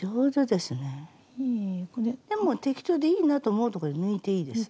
でも適当でいいなあと思うところで抜いていいです。